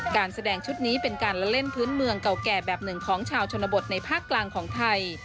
การแสดงชุดนี้เป็นการละเล่นพื้นเมืองเก่าแก่แบบหนึ่งของชาวชนบทในภาคกลางของไทย